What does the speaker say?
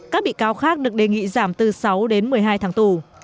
các bị cáo khác được đề nghị giảm từ sáu đến một mươi hai tháng tù